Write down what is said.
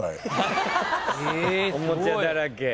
おもちゃだらけ。